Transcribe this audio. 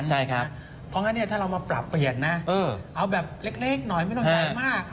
เพราะงั้นถ้าเรามาปรับเปลี่ยนนะเอาแบบเล็กหน่อยไม่ต้องใหญ่มาก